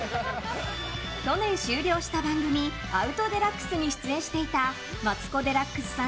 去年、終了した番組「アウト×デラックス」に出演していたマツコ・デラックスさん